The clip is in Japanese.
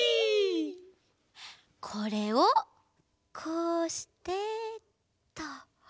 これをこうしてっと。